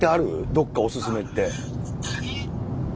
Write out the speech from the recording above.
どこかおすすめって。